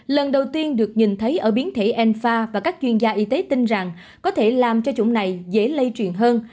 lần đầu tiên được nhìn thấy ở biến thể enfa và các chuyên gia y tế tin rằng có thể làm cho chủng này dễ lây truyền hơn